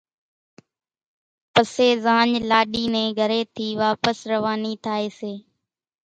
پسيَ زاڃ لاڏِي نين گھرين ٿِي واپس روانِي ٿائيَ سي۔